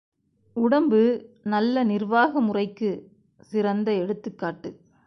உடம்பு நல்ல நிர்வாக முறைக்குச் சிறந்த எடுத்துக் காட்டு.